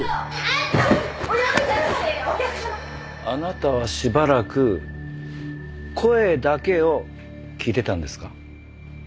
あなたはしばらく声だけを聞いてたんですか？